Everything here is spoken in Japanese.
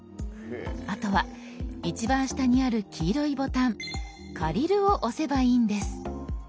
あとは一番下にある黄色いボタン「借りる」を押せばいいんです。